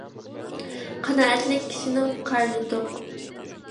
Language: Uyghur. قانائەتلىك كىشىنىڭ قارنى توق.